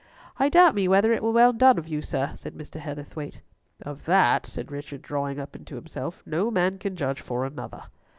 "I doubt me whether it were well done of you, sir," said Mr. Heatherthwayte. "Of that," said Richard, drawing up into himself, "no man can judge for another."